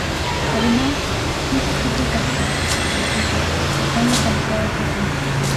Además, muchos sitios arqueológicos antiguos están localizados allí.